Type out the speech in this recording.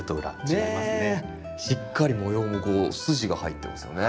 しっかり模様も筋が入ってますよね。